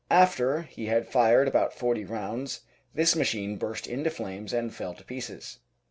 After he had fired about 40 rounds, this machine burst into flames and fell to pieces.